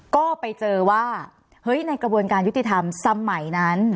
ก็ไปเจอว่าเฮ้ยในกระบวนการยุติธรรมสมัยนั้น